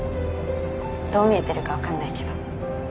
どう見えてるか分かんないけど。